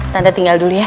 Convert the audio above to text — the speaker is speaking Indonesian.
tante tinggal dulu ya